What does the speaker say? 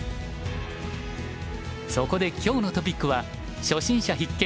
そこで今日のトピックは「初心者必見！